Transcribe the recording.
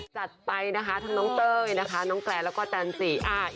จัดไปนะคะทั้งน้องเตอร์ไว้นะคะน้องแกรดแล้วก็จันทรีย์